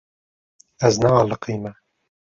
Ez nealiqîme.